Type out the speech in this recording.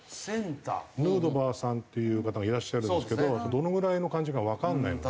ヌートバーさんっていう方がいらっしゃるんですけどどのぐらいの感じかわからないので。